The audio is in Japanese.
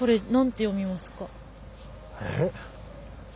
えっ？